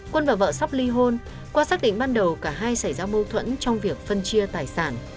quân và vợ sắp ly hôn qua xác định ban đầu cả hai xảy ra mâu thuẫn trong việc phân chia tài sản